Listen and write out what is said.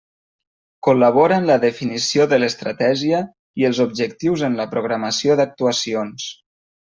Col·labora en la definició de l'estratègia i els objectius en la programació d'actuacions.